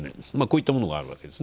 こういったものがあると。